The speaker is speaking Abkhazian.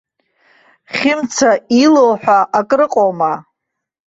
Хьымца илоу ҳәа акрыҟоума.